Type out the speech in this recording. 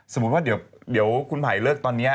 สมมุติว่าเดี๋ยวคุณไผ่เลิกตอนนี้